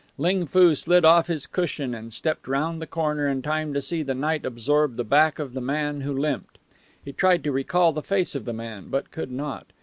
Ling Foo slid off his cushion and stepped round the counter in time to see the night absorb the back of the man who limped. He tried to recall the face of the man, but could not.